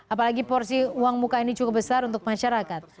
apalagi porsi uang muka ini cukup besar untuk masyarakat